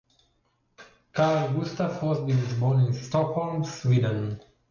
Carl-Gustaf Rossby was born in Stockholm, Sweden.